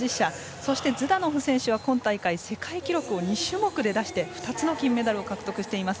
そしてズダノフ選手は今大会世界記録を２種目で出して２つの金メダルを獲得しています。